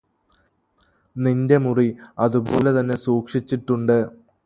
നിന്റെ മുറി അതുപോലെ തന്നെ സൂക്ഷിച്ചിട്ടുണ്ട്